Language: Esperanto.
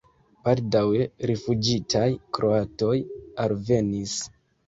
Baldaŭe rifuĝintaj kroatoj alvenis.